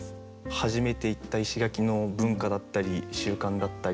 初めて行った石垣の文化だったり習慣だったり